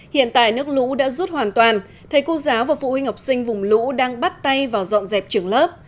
hiện tại nước lũ đã rút hoàn toàn thầy cô giáo và phụ huynh học sinh vùng lũ đang bắt tay vào dọn dẹp trường lớp